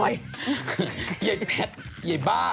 ไยแพทไยบ้า